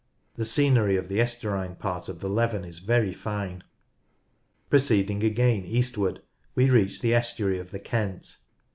The scenery of the estuarine part of the Leven is very fine. Proceeding again eastward we reach the estuary of the Kent.